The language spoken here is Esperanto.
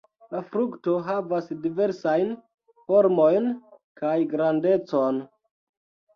La frukto havas diversajn formojn kaj grandecon.